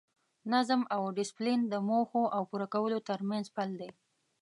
نظم او ډیسپلین د موخو او پوره کولو ترمنځ پل دی.